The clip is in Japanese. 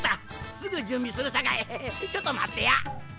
すぐじゅんびするさかいちょっとまってや。